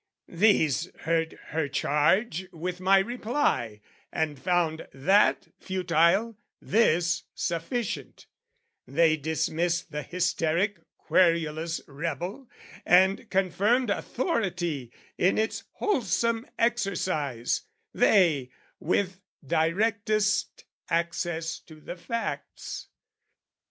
These heard her charge with my reply, and found That futile, this sufficient: they dismissed The hysteric querulous rebel, and confirmed Authority in its wholesome exercise, They, with directest access to the facts.